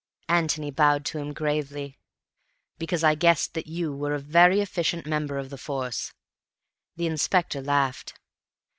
Antony bowed to him gravely. "Because I guessed that you were a very efficient member of the Force." The inspector laughed.